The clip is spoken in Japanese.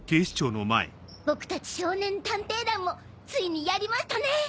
僕たち少年探偵団もついにやりましたね！